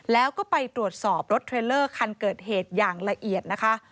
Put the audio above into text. แล้วก็ไปตรวจสอบรถเทรลเลอร์คันเกิดเหตุอย่างละเอียดนะคะ